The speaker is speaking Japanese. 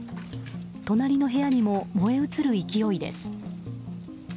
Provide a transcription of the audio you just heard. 隣の部屋にも燃え移る勢いです。